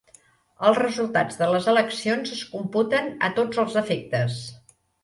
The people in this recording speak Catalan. Els resultats de les eleccions es computen a tots els efectes.